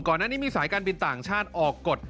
ก่อนหน้านี้มีสายการบินต่างชาติออกกฎ